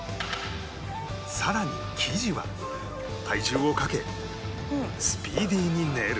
更に生地は体重をかけスピーディーに練る